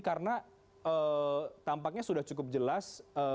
karena tampaknya sudah cukup jelas